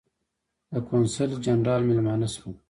د قونسل جنرال مېلمانه شولو.